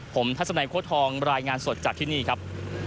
ผมทัศนัยโค้ทองรายงานสดจากที่นี่ครับ